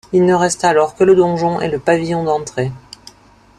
Il ne resta alors que le donjon et le pavillon d'entrée.